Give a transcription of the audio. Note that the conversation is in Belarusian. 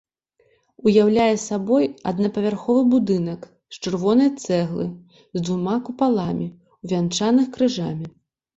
Уяўляе сабой аднапавярховы будынак з чырвонай цэглы з двума купаламі, увянчаных крыжамі.